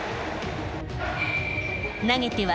投げては